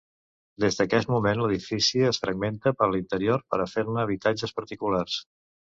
Des d’aquest moment l’edifici es fragmenta per l'interior per fer-ne habitatges particulars.